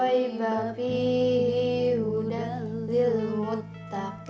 untuk berakhir di dunia semua living together